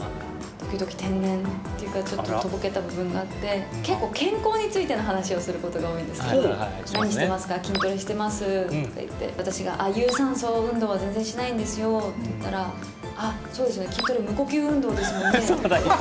時々、天然っていうか、ちょっととぼけた部分があって、結構、健康についての話をすることが多いんですけど、何していますか、筋トレしてますって言って、私が有酸素運動は全然しないんですよって言ったら、ああ、そうですね、筋トレ、無呼吸運動ですもんねって。